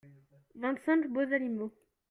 vingt cinq beaux animaux.